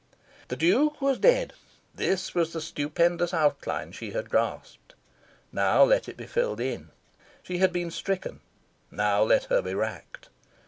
The Duke was dead. This was the stupendous outline she had grasped: now let it be filled in. She had been stricken: now let her be racked.